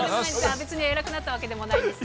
別に偉くなったわけでもないです。